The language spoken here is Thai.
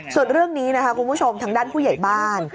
ส่วนเรื่องนี้นะคะคุณผู้ชมทางด้านผู้ใหญ่บ้าน